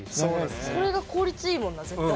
これが効率いいもんな絶対。